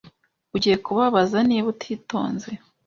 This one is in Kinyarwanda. Ugiye kubabaza niba utitonze.